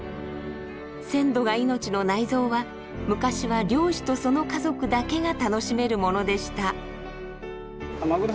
鮮度が命の内臓は昔は漁師とその家族だけが楽しめるものでした。